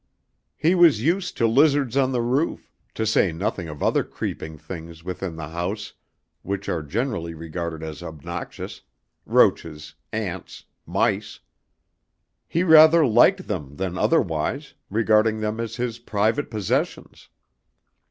He was used to lizards on the roof, to say nothing of other creeping things within the house which are generally regarded as obnoxious, roaches, ants, mice. He rather liked them than otherwise, regarding them as his private possessions.